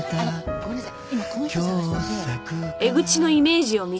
ごめんなさい。